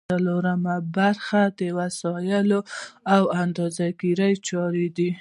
څلورمه برخه وسایل او د اندازه ګیری چارې دي.